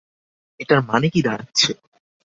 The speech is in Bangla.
এটার মানে কি দাড়াচ্ছে?